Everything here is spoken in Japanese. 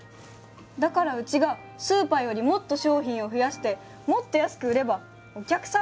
だからうちがスーパーよりもっと商品を増やしてもっと安く売ればお客さんも来るんじゃないですか。